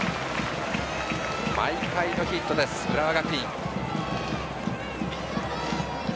毎回のヒットです、浦和学院。